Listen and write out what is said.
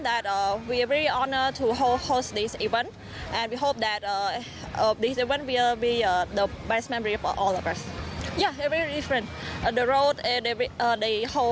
แต่อย่างน้อยแบบเขาอาจมีแผนสูตรครอบครัว